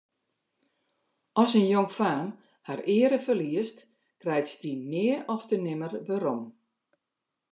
As in jongfaam har eare ferliest, krijt se dy nea ofte nimmer werom.